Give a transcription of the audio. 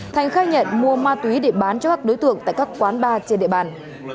thành khai nhận mua ma túy để bán cho các đối tượng tại các quán bar trên địa bàn